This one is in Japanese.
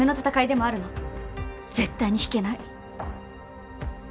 絶対に引けない。